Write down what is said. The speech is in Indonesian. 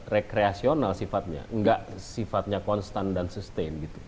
rekreasional sifatnya enggak sifatnya konstan dan sustain